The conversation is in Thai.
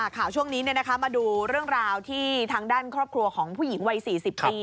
ข่าวช่วงนี้มาดูเรื่องราวที่ทางด้านครอบครัวของผู้หญิงวัย๔๐ปี